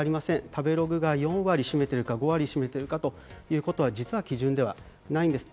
食べログは４割を占めているか、５割占めているかということは実は基準ではないんです。